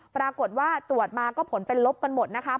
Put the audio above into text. ปรากฏว่าตรวจมาก็ผลเป็นลบกันหมดนะคะ